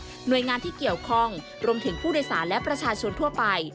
หน่วยงานที่เกี่ยวข้องรวมถึงผู้โดยสารและประชาชนทั่วไป